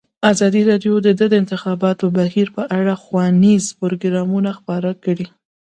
ازادي راډیو د د انتخاباتو بهیر په اړه ښوونیز پروګرامونه خپاره کړي.